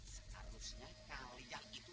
seharusnya kalian itu